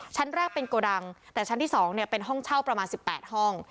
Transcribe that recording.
ชั้นแรกเป็นโกดังแต่ชั้นที่๒เป็นห้องเช่าประมาณ๑๘ห้อง